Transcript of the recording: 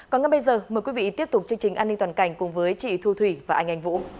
còn ngay bây giờ mời quý vị tiếp tục chương trình an ninh toàn cảnh cùng với chị thu thủy và anh anh vũ